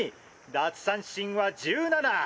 奪三振は１７！